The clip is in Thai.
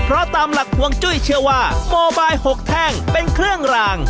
เพราะตามหลักฮวงจุ้ยเชื่อว่าโมบาย๖แท่งเป็นเครื่องราง